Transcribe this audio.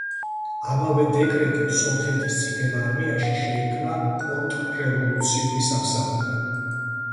ამავე დეკრეტით სომხეთის წითელ არმიაში შეიქმნა კონტრრევოლუციური სამსახური.